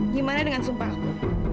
gimana dengan sumpah aku